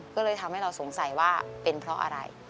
ก็เลยทำให้เราสงสัยว่าเป็นเพราะอะไร